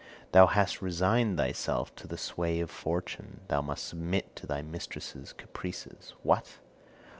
Thou hast resigned thyself to the sway of Fortune; thou must submit to thy mistress's caprices. What!